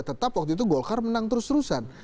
tetap waktu itu golkar menang terus terusan